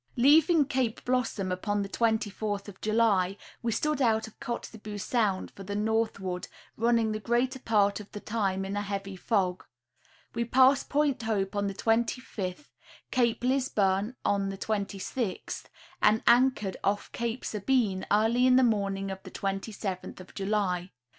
Leaving Cape Blossom upon the 24th of July we stood out of Kotzebue sound for the northward, running the greater part of the time in a heavy fog. We passed Point Hope on the 25th, Cape Lisburne on the 26th, and anchored off Cape Sabine early in the morning of the 27th of July.